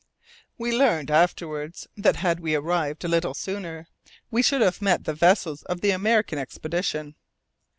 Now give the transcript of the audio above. We learned afterwards that had we arrived a little sooner, we should have met the vessels of the American expedition.